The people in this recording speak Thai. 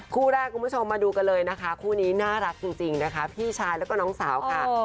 คู่แรกมาดูคุณผู้ชมคุณชายแล้วก็น้องสาวกัน